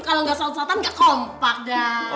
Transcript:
kalo gak sautan sautan gak kompak dah